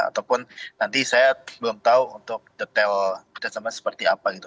ataupun nanti saya belum tahu untuk detail kerjasama seperti apa gitu